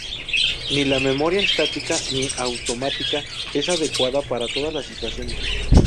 Ni la memoria estática ni automática es adecuada para todas las situaciones.